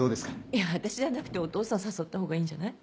いや私じゃなくてお父さん誘ったほうがいいんじゃない？